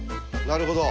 なるほど。